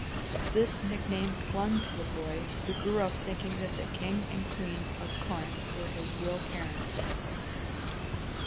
This nickname clung to the boy, who grew up thinking that the King and Queen of Corinth were his real parents.